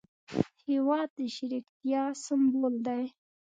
هېواد د شریکتیا سمبول دی.